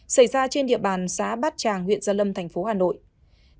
xảy ra trên địa bàn xã bát tràng huyện gia lâm tp hà nội